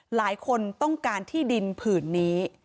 หลายคนต้องการที่ดินผืนนี้